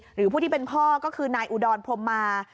หรือผู้ที่เป็นพ่อก็คือนายอุดรพรมมา